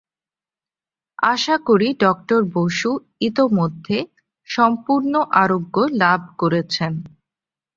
আশা করি, ডক্টর বসু ইতোমধ্যে সম্পূর্ণ আরোগ্য লাভ করেছেন।